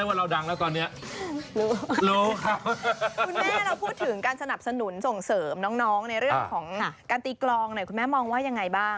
คุณแม่เราพูดถึงการสนับสนุนส่งเสริมน้องในเรื่องของการตีกลองหน่อยคุณแม่มองว่ายังไงบ้าง